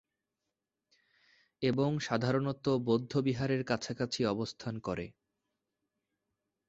এবং সাধারনত বৌদ্ধ বিহারের কাছাকাছি অবস্থান করে।